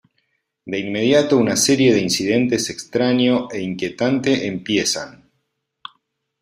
De inmediato una serie de incidentes extraño e inquietante empiezan.